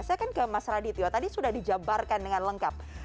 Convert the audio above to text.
saya akan ke mas radityo tadi sudah dijabarkan dengan lengkap